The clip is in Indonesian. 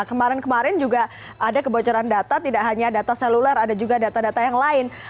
kemarin kemarin juga ada kebocoran data tidak hanya data seluler ada juga data data yang lain